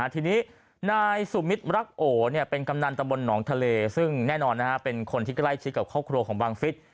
ทีนี้นายสุมิตรรักโอเป็นกำนันตำบลหนองทะเลซึ่งแน่นอนเป็นคนที่ใกล้ชิดกับครอบครัวของบังฟิศ